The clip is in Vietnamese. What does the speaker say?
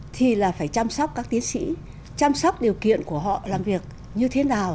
thì là phải chăm sóc các tiến sĩ chăm sóc điều kiện của họ làm việc như thế nào